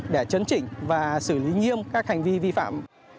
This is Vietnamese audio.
để chấn chỉnh và xử lý nghiêm các hành vi vi phạm